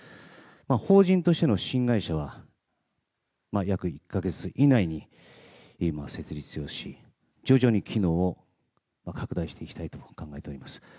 法人としての新会社は約１か月以内に設立をし徐々に機能を拡大していきたいと考えております。